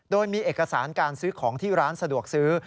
โดยมีเอกสารการซื้อของที่ร้านสะดวกซื้อ